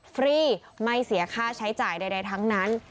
ฟรีไม่เสียค่าใช้จ่ายใดทั้งนั้น